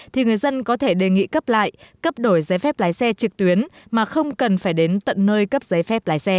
thì người dân có thể đề nghị cấp lại cấp đổi giấy phép lái xe trực tuyến mà không cần phải đến tận nơi cấp giấy phép lái xe